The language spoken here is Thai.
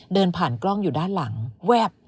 เดินผ่านกล้องอยู่ด้านหลังแวบ